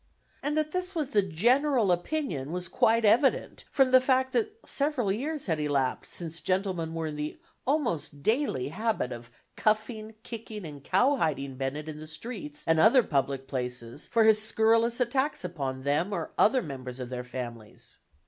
And that this was the general opinion was quite evident from the fact that several years had elapsed since gentlemen were in the almost daily habit of cuffing, kicking and cowhiding Bennett in the streets and other public places for his scurrilous attacks upon them, or upon members of their families.